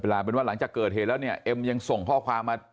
ลาเป็นว่าหลังจากเกิดเหตุแล้วเนี่ยเอ็มยังส่งข้อความมา